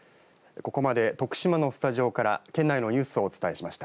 ここまで徳島のスタジオから県内のニュースをお伝えしました。